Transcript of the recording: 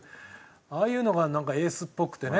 ああいうのがエースっぽくてね